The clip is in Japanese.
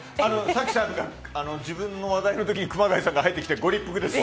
早紀さんが自分の話題の時に熊谷さんが入ってきてご立腹です。